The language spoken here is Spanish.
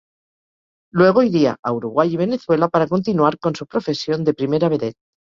Luego iría a Uruguay y Venezuela para continuar con su profesión de primera vedette.